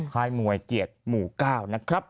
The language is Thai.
ค่ายมวยเกียรติหมู่๙นะครับ